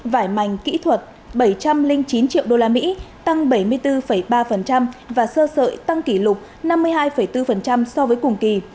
vải mảnh kỹ thuật bảy trăm linh chín triệu đô la mỹ tăng bảy mươi bốn ba và sơ sợi tăng kỷ lục năm mươi hai bốn so với cùng kỳ